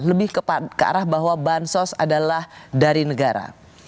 lebih ke arah bahwa bansos adalah dari negara